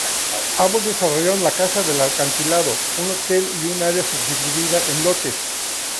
Ambos desarrollaron la "Casa del acantilado", un hotel y un área subdividida en lotes.